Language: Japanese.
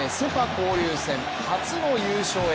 交流戦初の優勝へ。